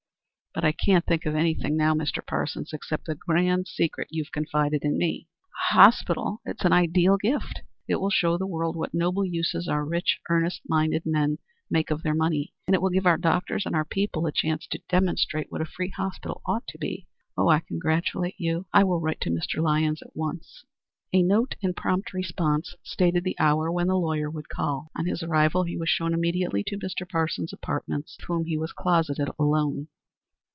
"But I can't think of anything now, Mr. Parsons, except the grand secret you have confided to me. A hospital! It is an ideal gift. It will show the world what noble uses our rich, earnest minded men make of their money, and it will give our doctors and our people a chance to demonstrate what a free hospital ought to be. Oh, I congratulate you. I will write to Mr. Lyons at once." A note in prompt response stated the hour when the lawyer would call. On his arrival he was shown immediately to Mr. Parsons's apartments, with whom he was closeted alone.